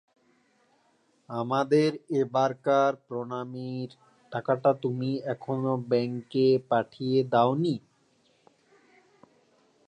আমাদের এবারকার প্রণামীর টাকাটা তুমি এখনো ব্যাঙ্কে পাঠিয়ে দাও নি?